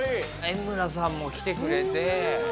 エムラさんも来てくれて。